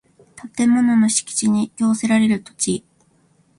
建物の敷地に供せられる土地